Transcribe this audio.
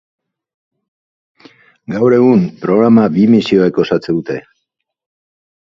Gaur egun, programa bi misioek osatzen dute.